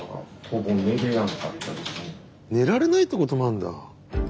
寝られないってこともあるんだ。